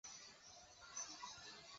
都有为登场要角配音。